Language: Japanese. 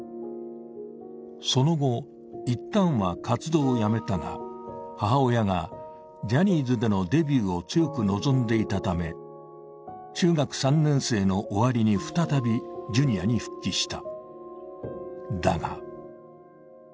その後、一旦は活動をやめたが、母親がジャニーズでのデビューを強く望んでいたため中学３年生の終わりに再びＪｒ．に復帰した。